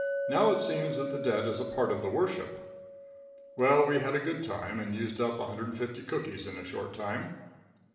Now it seems that the debt is a part of the worship. Well, we had a good time and used up 150 cookies in a short time.